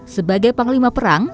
sebagai panglima perang